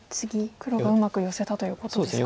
黒がうまくヨセたということですか。